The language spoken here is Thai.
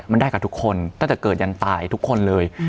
มันได้กับทุกคนตั้งแต่เกิดยันตายทุกคนเลย